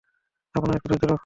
আপনি একটু ধৈর্য্য রাখুন।